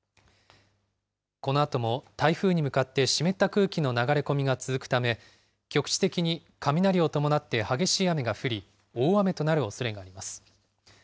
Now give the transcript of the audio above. このあとも、台風に向かって湿った空気の流れ込みが続くため、局地的に雷を伴って激しい雨が降り、大雨となるおそれがあります。